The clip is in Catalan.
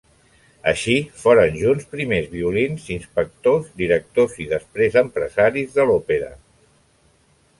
Així foren junts primers violins, inspectors, directors i després empresaris de l'Òpera.